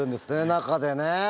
中でね。